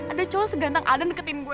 ada cowok segantang alden deketin gue